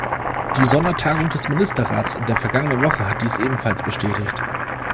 Die Sondertagung des Ministerrats in der vergangenen Woche hat dies ebenfalls bestätigt.